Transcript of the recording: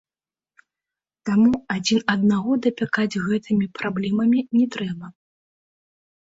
Таму адзін аднаго дапякаць гэтымі праблемамі не трэба.